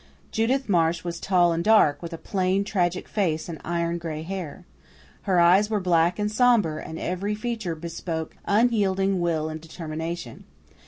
Judith Marsh was tall and dark, with a plain, tragic face and iron gray hair. Her eyes were black and sombre, and every feature bespoke unyielding will and determination.